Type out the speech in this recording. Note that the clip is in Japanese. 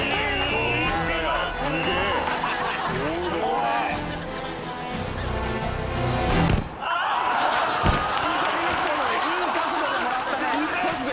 「いい角度でもらったね」